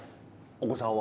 お子さんは？